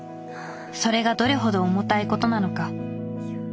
それがどれほど重たいことなのか。